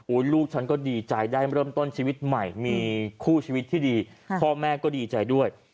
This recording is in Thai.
ลูกฉันก็ดีใจได้เริ่มต้นชีวิตใหม่มีคู่ชีวิตที่ดีพ่อแม่ก็ดีใจด้วย